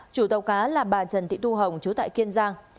chủ tàu cá là bà trần thị thu hồng chú tại kiên giang